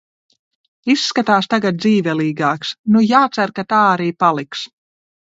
Izskatās tagad dzīvelīgāks, nu jācer, ka tā arī paliks.